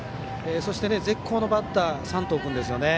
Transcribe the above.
そして、絶好のバッター山藤君ですね。